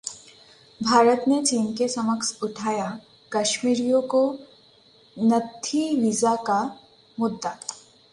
भारत ने चीन के समक्ष उठाया कश्मीरियों को 'नत्थी वीजा' का मुद्दा